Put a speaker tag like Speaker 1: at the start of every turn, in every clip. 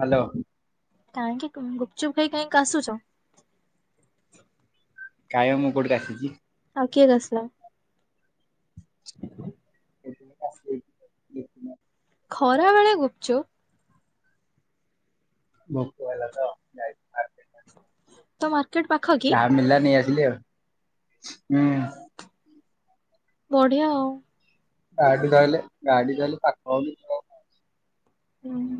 Speaker 1: Hello.
Speaker 2: କାହିଁକି ଗୁପ୍ ଚୁପ୍ ଖାଇ କାଇଁ କାସୁଛ।
Speaker 1: କାଇଁ ମୁ କୋଉଠି କାସିଛି।
Speaker 2: ଆଉ କିଏ କାଷିଲା।
Speaker 1: [unintelligible]
Speaker 2: ଖରା ବେଳେ ଗୁପ୍ ଚୁପ୍।
Speaker 1: ଭୋକ ହେଲା ତ ଯାଇ କି ଖାଇ ଦେଲି।
Speaker 2: ତ ମାର୍କେଟ ପାଖ କି?
Speaker 1: ମିଳିଲା ନେଇ ଆସିଲି ଆଉ ହୁଁ।
Speaker 2: ବଢିଆ ଆଉ।
Speaker 1: ଗାଡି ଧରିଲେ ଗାଡି ଧରିଲେ ପାଖା ଆଉ।
Speaker 2: ହୁଁ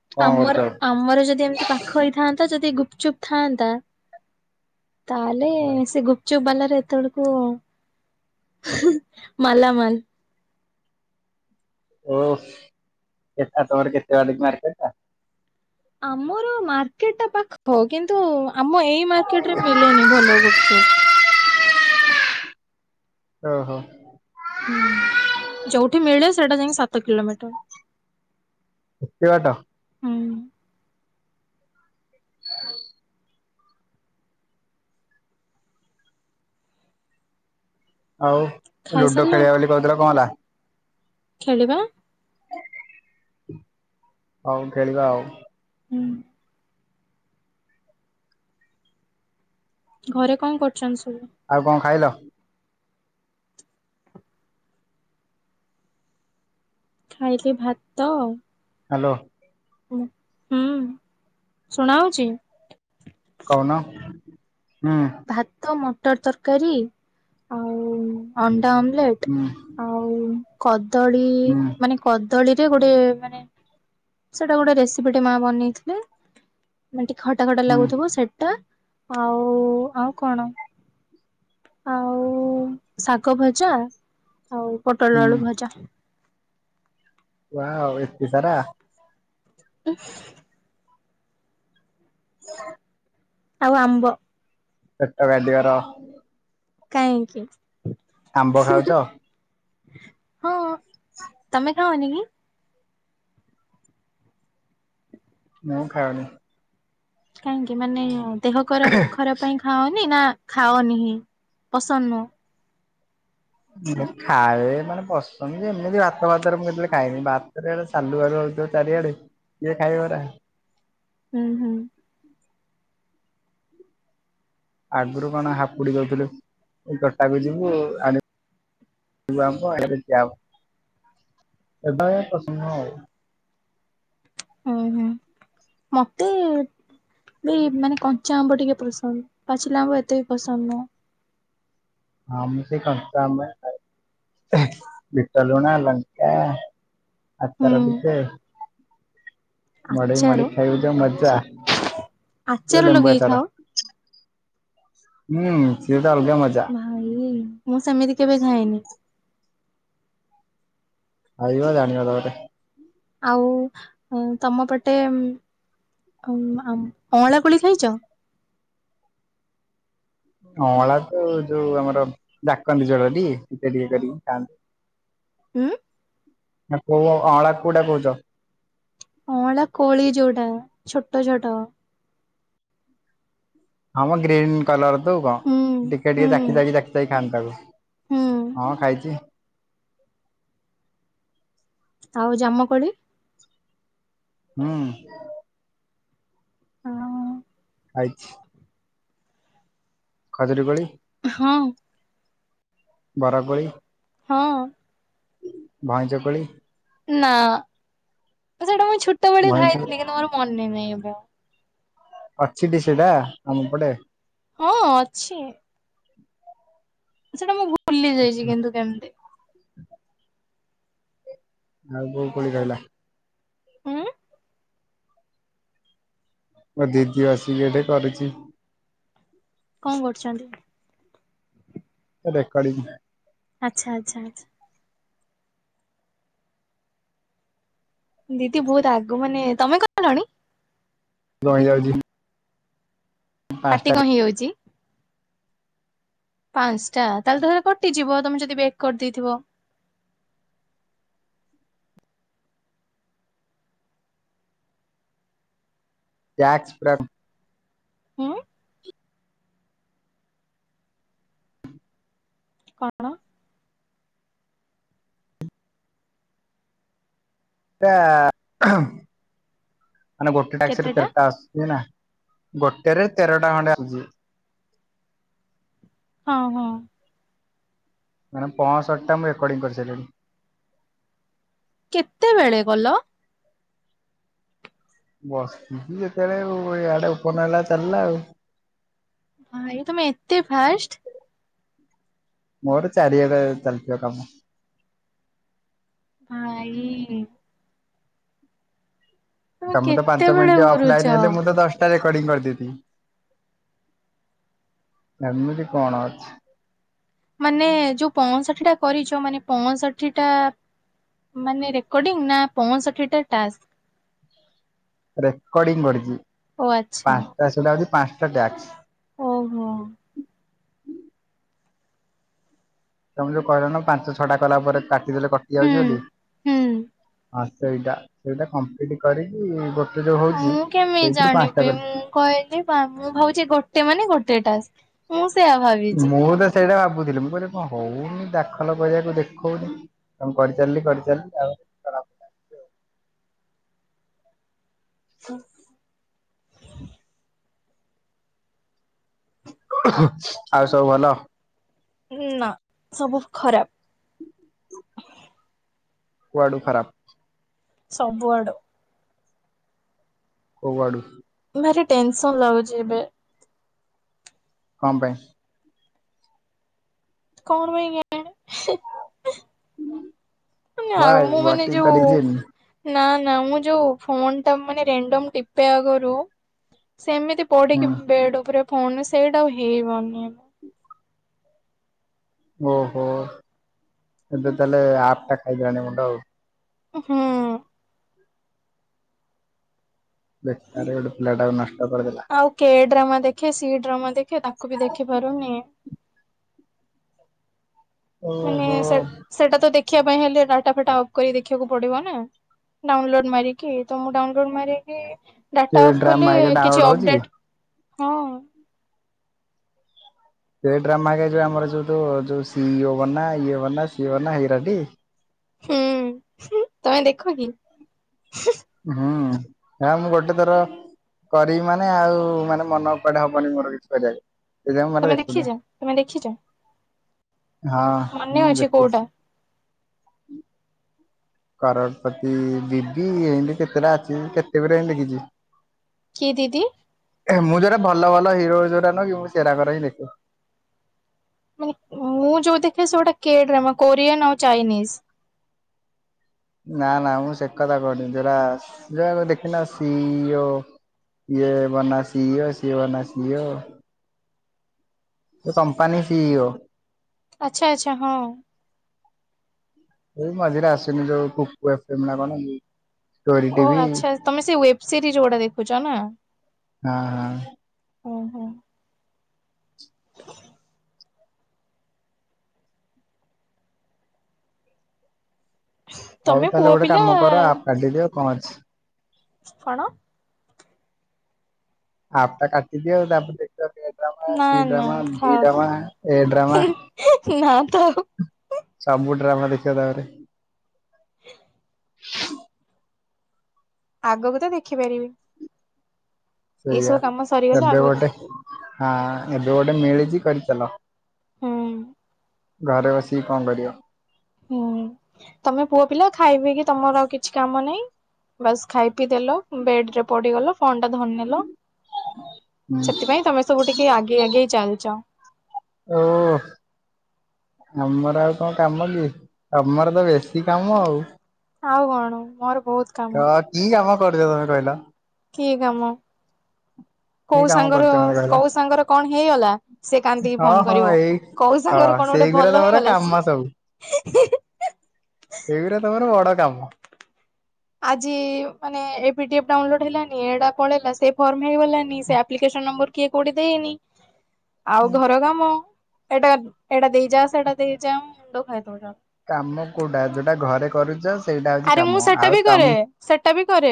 Speaker 1: କଣ କରୁଛ
Speaker 2: ଆମର
Speaker 1: ଆଉ
Speaker 2: ଆମର ଯଦି, ଏମିତି ପାଖ ହେଇଥାନ୍ତା, ଯଦି ଗୁପ୍ ଚୁପ୍ ଥାଆନ୍ତା ତାହେଲେ ସେ ଗୁପ୍ ଗୁପ୍ ଚୁପ୍ ବାଲାର ଏତେବେଳକୁ ମାଲା ମାଲ୍।
Speaker 1: ଓ କେ ଆ ତମର କେତ ବାଟକି ମାର୍କେଟ ଟା?
Speaker 2: ଆମର ମାର୍କେଟ ଟା ପାଖ, କିନ୍ତୁ ଆମ ଏଇ ମାର୍କେଟ ରେ ମିଲେନୀ ନି ଭଲ ଗୁପ୍ ଚୁପ୍।
Speaker 1: ଓହୋ।
Speaker 2: ହୁଁ ଯୋଉଠି ମିଳେ ସେଟା ଯାଇ ସାତ କିଲୋମିଟର।
Speaker 1: ଏତେ ବାଟ।
Speaker 2: ହୁଁ।
Speaker 1: ହ [unintelligible] ଆଉ ଲୁଡୋ
Speaker 2: ଖାଇସାରିଲଣି
Speaker 1: ଖେଳିବା ବୋଲି କହୁଥିଲ କଣ ହେଲା?
Speaker 2: ଖେଳିବା।
Speaker 1: ହଉ ଖେଳିବା ଆଉ।
Speaker 2: ହୁଁ। ଘରେ କଣ କରୁଛନ୍ତି ସବୁ?
Speaker 1: ଆଉ କଣ ଖାଇଲ?
Speaker 2: ଖାଇଲି ଭାତ
Speaker 1: ହାଲୋ।
Speaker 2: ଉଁ ହୁଁ ଶୁଣା ହୋଉଛି?
Speaker 1: କହୁନ ହୁଁ।
Speaker 2: ଭାତ ମଟର ତରକାରୀ ଆଉ ଅଣ୍ଡା ଅମଲେଟ୍।
Speaker 1: ହୁଁ।
Speaker 2: କଦଳୀ
Speaker 1: ହୁଁ
Speaker 2: ମାନେ କଦଳୀରେ ଗୋଟେ ମାନେ ସେଟା ଗୋଟେ ରେସିପି ଟେ ମା ବନେଇଥିଲେ। ମାନେ ଟିକେ ଖଟା-ଖଟା
Speaker 1: ହୁଁ
Speaker 2: ଲାଗୁଥିବ ସେଇଟା ଆଉ-ଆଉ କଣ ଆଉ ଶାଗ ଭଜା ଆଉ ପଟଲ
Speaker 1: ହୁଁ
Speaker 2: ଆଳୁ ଭଜା।
Speaker 1: ଯାହା ହଉ ଏତେ ସାରା,
Speaker 2: ଉନ୍
Speaker 1: [inaudible]
Speaker 2: ଆଉ ଆମ୍ବ,
Speaker 1: ସେଟ ଗାଡ଼ିଗର,
Speaker 2: କାଇଙ୍କି?
Speaker 1: ଆମ୍ବ ଖାଉଚ
Speaker 2: ହଁ ତମେ ଖାଅନି କି?
Speaker 1: ମୁଁ ଖାଉନି।
Speaker 2: କାହିଁକି ମାନେ ଦେହ ଖରାପ୍ ଖରାପ୍ ପାଇଁ ଖାଅନି ନା ଖାଅନି ପସନ୍ଦ ନୁହଁ
Speaker 1: ହୁଁ ମୁଁ ଖାଏ ମାନେ ପସନ୍ଦ ଯେ ମୁଁ ଭାତ ଫାତ ରେ ମୁଁ କେତେବେଳେ ଖାଏନି ବାତରେ ସେ ସାଲୁ ବାଲୁ ହୋଉଥିବ ଚାରିଆଡେ କିଏ ଖାଇବ ହେରା
Speaker 2: ହୁଁ-ହୁଁ,
Speaker 1: ଆଗୁରୁ କଣ ହାପୁଡ଼ି ଦଉଥିଲୁ ତୋଟାକୁ ଯିବୁ ଆଣି [unintelligible] ଏବେ ଆଉ ପସନ୍ଦ ନୁହଁ ଆଉ
Speaker 2: ହୁଁ ହୁଁ
Speaker 1: [inaudible]
Speaker 2: ମତେ ବି ମାନେ କଞ୍ଚା ଆମ୍ବ ଟିକେ ପସନ୍ଦ ପାଚିଲା ଆମ୍ବ ଏତେ ବି ପସନ୍ଦ ନୁହଁ
Speaker 1: ହଁ ମୁଁ ସେ କଞ୍ଚା ଆମ୍ବ ଖାଏ ବିଟ ଲୁଣ, ଲଙ୍କା ଆଚାର
Speaker 2: ହୁଁ
Speaker 1: ଟିକେ
Speaker 2: ଆଚାର
Speaker 1: ମଡେଇ-ମଡେଇ ଖାଇିବୁ ଯୋଉ ମଜା
Speaker 2: ଆଚାର
Speaker 1: ଯଉ ଲେମ୍ବୁ
Speaker 2: ଲଗେଇ ଖାଅ?
Speaker 1: ଆଚାର ହୁଁ ସିଏ ତ ଅଲଗା ମଜା
Speaker 2: ଭାଇ ମୁଁ ସେମିତି କେବେ ଖାଇନି
Speaker 1: ଖାଇବ ଜାଣିବ ତା ପରେ
Speaker 2: ଆଉ ଉଁ ତମ ପଟେ ଉଁମ୍ ଆମ୍ ଅଁଳା କୋଳି ଖାଇଛ
Speaker 1: ଅଁଳା ତ ଯୋଉ ଆମର ଡାକନ୍ତି ଜଳ ଟି ଟିକେ- ଟିକେ କରିକି ଖାଆନ୍ତି
Speaker 2: ଉଁ
Speaker 1: ନା କୋଉ ଅଁଳା କୋଉଟା କୋଉଚ
Speaker 2: ଅଁଳା କୋଳି ଯୋଉଟା ଛୋଟ-ଛୋଟ
Speaker 1: ହଁ ମ ଗ୍ରୀନ୍ କଲର ତୋ ଉଁ କଁ
Speaker 2: ହୁଁ।
Speaker 1: ଟିକେ
Speaker 2: ହୁଁ
Speaker 1: ଟିକେ ଚାକି, ଚାକି- ଚାକି, ଚାକି ଖାନ୍ତି ତାକୁ
Speaker 2: ହୁଁ
Speaker 1: ହଁ ଖାଇଚି।
Speaker 2: ଆଉ ଜାମ କୋଳି
Speaker 1: ହୁଁ
Speaker 2: ଆଉ
Speaker 1: ଖାଇଚି ଖଜିରି କୋଳି
Speaker 2: ହଁ
Speaker 1: ବର କୋଳି
Speaker 2: ହଁ
Speaker 1: ଭଇଁଚ କୋଳି
Speaker 2: ନା ସେଟା ମୁଁ ଛୋଟୋ ବେଳେ
Speaker 1: ଭଇଁଚ
Speaker 2: ଖାଇଥିଲି କିନ୍ତୁ ମୋର ମନେ ନାହିଁ ଏବେ ଆଉ
Speaker 1: ଅଛି ଟି ସେଇଟା ଆମ ପଟେ
Speaker 2: ହଁ ଅଛି ସେଇଟା ମୁଁ ଭୁଲି ଯାଇଚି
Speaker 1: ଆଛା
Speaker 2: କିନ୍ତୁ କେମତି
Speaker 1: ଆଉ କୋଉ କୋଳି ରହିଲା?
Speaker 2: ହୁଁ?
Speaker 1: ମୋ ଦିଦି ଆସିକି ଏଇଠି କରିଛି।
Speaker 2: କଣ କରୁଛନ୍ତି?
Speaker 1: ଏ ରେକଡ଼ିଂ।
Speaker 2: ଆଚ୍ଛା ଆଚ୍ଛା ଆଚ୍ଛା। ଦିଦି ବହୁତ ଆଗ ମାନେ, ତମେ କହିଲଣି?
Speaker 1: ରହି ଯାଉଛି।
Speaker 2: ପାଟି କଣ ହେଇଯାଉଛି? ପାଞ୍ଚଟା ତାହେଲେ ତ ସେଟା କଟିଯିବ ତମେ ଯଦି ବେକ୍ କରିଦେଇଥିବ।
Speaker 1: ଟ୍ୟାକ୍ସ ପୁରା
Speaker 2: ହଁ କଣ?
Speaker 1: ମାନେ ଗୋଟେ ଟାକ୍ସିରେ
Speaker 2: କେତେଟା?
Speaker 1: ତେରଟା ଆସୁଛି ନା? ଗୋଟେରେ ତେରଟା ଖଣ୍ଡେ ଆସୁଛି।
Speaker 2: ହଁ ହଁ।
Speaker 1: ମାନେ ପଂଶଠୀ ଟା ମୁଁ ରେକର୍ଡିଂ କରିସାରିଣି।
Speaker 2: କେତେବେଳେ ଗଲ?
Speaker 1: ବସିଛି ଯେତେବେଳେ ଆଇଆଡେ ଓପନ ହେଲା ଚାଲିଲା ଆଉ।
Speaker 2: ହଁ ଏଇ ତମେ ଏତେ ଫାଷ୍ଟ?
Speaker 1: ମୋର ଚାରିଆଡ଼େ ଚାଲୁଥିବ କାମ।
Speaker 2: ଭାଇ
Speaker 1: ତମେ ତ ପାଞ୍ଚ
Speaker 2: କେତେବେଳେ
Speaker 1: ମିନିଟ୍
Speaker 2: କରୁଛ?
Speaker 1: ଅଫ୍ଲାଇନ ହେଲେ ମୁଁ ତ ଦଶ ରେକଡ଼ିଂ କରିଦେଇଥିବି, ଏମିତି କଣ ଅଛି?
Speaker 2: ମାନେ ଯୋଉ ପଞ୍ଚଷଠି ଟା କରିଛ, ମାନେ ପଞ୍ଚଷଠି ଟା ମାନେ ରେକର୍ଡିଂ, ନା ପଞ୍ଚଷଠି ଟା ଟାସ୍କ?
Speaker 1: ରେକଡିଂ କରିଛି
Speaker 2: ଓ ଆଚ୍ଛା
Speaker 1: ପାଞ୍ଚଟା ସେଟା ହଉଛି ପାଞ୍ଚଟା ଟାସ୍କ।
Speaker 2: ଓହୋ।
Speaker 1: ତମେ ଯୋଉ କହିଲନା ପାଞ୍ଚ ଛଟା କଲା ପରେ କା କଟି ଯାଉଛି
Speaker 2: ହୁଁ
Speaker 1: ବୋଲି,
Speaker 2: ହୁଁ।
Speaker 1: ସେଇଟା ସେଇଟା କଂପ୍ଲୀଟ କରିକି ଗୋ
Speaker 2: ମୁଁ କେମିତି ଜାଣିବି, ମୁଁ କହିଲି ମୁଁ ଭାବୁଛି ଗୋଟେ ମାନେ ଗୋଟେ ଟାସ୍କ। ମୁଁ ସେଇଆ ଭାବି
Speaker 1: ମୁଁ ତ ସେଇଟା ଭାବୁଥିଲି, ମୁଁ କହିଲି କଣ ହଉନି ଦାଖଲ କରିବାକୁ ଦେଖଉନି। କଁ କରିଚାଲିଲି କରିଚାଲିଲି ଆଉ।
Speaker 2: ହୁଁ
Speaker 1: ଆଉ ସବୁ ଭଲ?
Speaker 2: ନା ସବୁ ଖରାପ।
Speaker 1: କୁଆଡୁ ଖରାପ?
Speaker 2: ସବୁ ଆଡୁ।
Speaker 1: କୋଉଆଡୁ?
Speaker 2: ଭାରି ଟେନସନ ଲାଗୁଛି ଏବେ।
Speaker 1: କଁ ପାଇଁ?
Speaker 2: କଣ ପାଈଁ କେଜାଣି, ହେଁ ଏଁ ଆମ
Speaker 1: ୱାଏ
Speaker 2: ମୁଁ
Speaker 1: ୱାଟ
Speaker 2: ମାନେ
Speaker 1: ଇଜ ଦ
Speaker 2: ଯୋଉ
Speaker 1: ରିଜିନ
Speaker 2: ନା ନା ମୁଁ ଯୋଉ ଫୋନଟା ମାନେ ରେଣ୍ଡମ ଟିପେ ଆଗରୁ ସେମିତି
Speaker 1: ହୁଁ
Speaker 2: ପଡିକି ବେଡ ଉପରେ ଫୋନ ସେଇଟା ଆଉ ହେଇ ପାରୁନି ଏବେ।
Speaker 1: ଓହୋ ଏବେ ତାହେଲେ ଆପଟା ଖାଇଦେଲାଣି ମୁଣ୍ଡ ଆଉ
Speaker 2: ହୁଁ।
Speaker 1: ବେକାର ଟାରେ ଗୋଟେ ପିଲଟାକୁ ନଷ୍ଟ କରିଦେଲା।
Speaker 2: ଆଉ କେ ଡ୍ରାମା ଦେଖେ ସି ଡ୍ରାମା ଦେଖେ ତାକୁ ବି ଦେଖିପାରୁନି। ମାନେ
Speaker 1: ଓହୋ
Speaker 2: ସେ ସେଟା ତ ଦେଖିବା ପାଇଁ ହେଲେ ଡାଟା ଫାଟା ଅଫ୍ କରି ଦେଖିବାକୁ ପଡିବ ନା। ଡାଉନଲୋଡ ମାରିକି ତ ମୁ ଡାଉନଲୋଡ ମାରିକି
Speaker 1: ସେ
Speaker 2: ଡାଟା ଅଫ୍
Speaker 1: ଡ୍ରାମା
Speaker 2: କଲି
Speaker 1: ହେରିକା ଡାଉନଲୋଡ
Speaker 2: କିଛି
Speaker 1: ହଉଛି କି?
Speaker 2: ଅପଡେଟ ହଁ।
Speaker 1: କେ ଡ୍ରାମା ହେରିକା ଯୋଉ ଆମର ଯୋଉ ଯୋଉ ସି ଇ ଓ ବନା ଇଏ ବନା ସିଏ ବନା ହେଇରାଟି।
Speaker 2: ହୁଁ ହୁଂ ତମେ ଦେଖ କି? ହୁଁ
Speaker 1: ହୁଁ। ହେରା ମୁଁ ଗୋଟେ ଥର କରିବି ମାନେ ଆଉ ମାନେ ମନ ପଢାପଢି ମୋର କିଛି କରିବାରେ।
Speaker 2: ତମେ ଦେଖିଛ? ତମେ ଦେଖିଛ?
Speaker 1: ହଁ
Speaker 2: ମନେ
Speaker 1: ମୁଁ
Speaker 2: ଅଛି କୋଉଟା
Speaker 1: ଦେଖୁଛି। କରଡ଼ପତି ବିବି ଏନ୍ତି କେତେଟା ଅଛି ମୁଁ କେତେଗୁରେ ଏନ୍ତି ଦେଖିଚି।
Speaker 2: କି ଦିଦି?
Speaker 1: ମୁଁ ଯୋଉରା ଭଲ ଭଲ ହିରୋ ଯୋଉରା ନୁହେଁକି ମୁଁ ସେରାଙ୍କର ହିଁ ଦେଖେ।
Speaker 2: ମାନେ ମୁଁ ଯୋଉ ଦେଖେ ସେ ଗୋଟେ କେଡ୍ରାମା କୋରିଆନ ଆଉ ଚାଇନିଜ।
Speaker 1: ନା ନା ମୁଁ ସେ କଥା କହୁନି। ଯୋଉରା ସି ଯୋଉ ରାକ ଦେଖିନ ସି ଇ ଓ ଇଏ ବନା ସିଓ ସିଏ ବନା ସିଓ। ଏ କମ୍ପାନୀ ସି ଇ ଓ।
Speaker 2: ଆଛା ଆଚ୍ଛା ହଁ।
Speaker 1: ଏଇ ମଝିରେ ଆସିନି ଯୋଉ କୁ କୁ ଏଫ୍ ଏମ୍ ନା କଣ ଷ୍ଟୋରି
Speaker 2: ଓ
Speaker 1: ଟିଭି
Speaker 2: ଆଚ୍ଛା ଆଚ୍ଛା ତମେ ସେ ୱେବସିରିଜ ଗୁଡ଼ା ଦେଖୁଛ ନା?
Speaker 1: ହଁ ହଁ
Speaker 2: ଉଁ ହୁଁ।
Speaker 1: ହଉ
Speaker 2: ତମେ ପୁଅ
Speaker 1: ତାହେଲେ ଗୋଟେ
Speaker 2: ପିଲା
Speaker 1: କାମ କର ଆପ କାଟିିଦିଅ କଣ ଅଛି?
Speaker 2: କଣ?
Speaker 1: ଆପଟା କାଟିଦିଅ ଆଉ ତାପରେ ଦେଖିବା ଟିକେ ଓ ଡ୍ରାମା
Speaker 2: ନା
Speaker 1: ସି
Speaker 2: ନା
Speaker 1: ଡ୍ରାମା ବି
Speaker 2: ଥାଉ
Speaker 1: ଡ୍ରାମା ଏ ଡ୍ରାମା।
Speaker 2: ନା ଥାଉ।
Speaker 1: ସବୁ ଡ୍ରାମା ଦେଖିବ ତାପରେ।
Speaker 2: ଆଗକୁ ତ ଦେଖିପାରିବି। ଏଇ
Speaker 1: ସେୟା।
Speaker 2: ସବୁ କାମ ସରିଗଲେ
Speaker 1: ଏବେ
Speaker 2: ଆଗକୁ ଦେଖ
Speaker 1: ଗୋଟେ ହାଁ ଏବେ ଗୋଟେ ମିଳିଛି କରିଚାଲ।
Speaker 2: ହୁଁ।
Speaker 1: ଘରେ ବସିକି କଣ କରିବ?
Speaker 2: ହୁଁ। ତମେ ପୁଅ ପିଲା ଖାଇ ପି କି ତମର ଆଉ କିଛି କାମ ନାହିଁ ବାସ ଖାଇ ପିଇ ଦେଲ। ବେଡ ରେ ପଡିଗଲ। ଫୋନ ଟା ଧରି ନେଲ।
Speaker 1: ହୁଁ
Speaker 2: ସେଥିପାଇଁ ତମେ ସବୁ ଟିକେ ଆଗେଇ ଆଗେଇ ଚାଲିଛ।
Speaker 1: ଓଃ ଆମର ଆଉ କଣ କାମ କି ତମର ତ ବେଶୀ କାମ ଆଉ?
Speaker 2: ଆଉ କଣ ମୋର ବହୁତ କାମ
Speaker 1: ତ କି କାମ କରୁଛ ତମେ କହିଲ?
Speaker 2: କି କାମ?
Speaker 1: କି
Speaker 2: କୋଉ
Speaker 1: କାମ
Speaker 2: ସାଙ୍ଗର
Speaker 1: କରୁଛ ମତେ କହିଲ?
Speaker 2: କୋଉ ସାଙ୍ଗର କଣ ହେଇଗଲା ସେ କାନ୍ଦିକି
Speaker 1: ହଁ
Speaker 2: ଫୋନ
Speaker 1: ହଁ
Speaker 2: କରିବ।
Speaker 1: ଏଇ
Speaker 2: କୋଉ
Speaker 1: ହଁ
Speaker 2: ସାଙ୍ଗର କଣ ଗୋଟେ
Speaker 1: ସେଇଗୁରା
Speaker 2: ଭଲ
Speaker 1: ତମର
Speaker 2: ହେଇଗଲା ସେ
Speaker 1: କାମ ସବୁ
Speaker 2: ହେଁ ହେଁ ହେଁ
Speaker 1: ଏଇଗରା ତମର ବଡ କାମ।
Speaker 2: ଆଜି ମାନେ ଏ ପିଡିଏଫ୍ ଡ଼ାଉନଲୋଡ ହେଲାନି ଏଟା ପଳେଇଲା। ଫର୍ମ ହେଇଗଲାନି ସେ ଆପ୍ଲିକେସନ ନମ୍ବର କିଏ କୋଉଠି ଦେଇନି ଆଉ ଘର କାମ। ଏଇଟା ଏଟା ଦେଇଯା ସେଟା ଦେଇଯା ମୁଣ୍ଡ ଖାଇ ଦଉଛନ୍ତି।
Speaker 1: କାମ କୋଉଟା ଯୋଉଟା ଘରେ କରୁଛ। ସେଇଟା ହଉଛି
Speaker 2: ଆରେ ମୁଁ
Speaker 1: କାମ
Speaker 2: ସେଟା ବି
Speaker 1: ଆଉ
Speaker 2: କରେ
Speaker 1: କାମ।
Speaker 2: ସେଟା ବି କରେ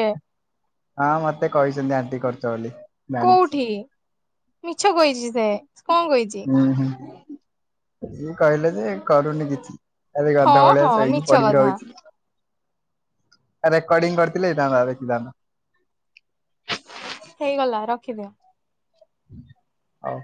Speaker 1: ହଁ ମତେ କହିଛନ୍ତି ଆଣ୍ଟି କରୁଛ ବୋଲି ଜାଣିଛି।
Speaker 2: କୋଉଠି ମିଛ କହିଛି ସେ କଣ କହିଛି।
Speaker 1: ସିଏ କହିଲେ ଯେ କରୁନି କିଛି ଏବେ
Speaker 2: ହଁ
Speaker 1: ଗଧ ଭଳିଆ
Speaker 2: ହଁ ମିଛ
Speaker 1: ଶୋଇକି ପଡିକି
Speaker 2: କଥା
Speaker 1: ରହୁଛି। ରେକର୍ଡିଂ କରିଥିଲେ ହେଇଥାନ୍ତା ଦେଖି ଥାନ୍ତ।
Speaker 2: ହେଇଗଲା ରଖିଦିଅ।
Speaker 1: ହଉ।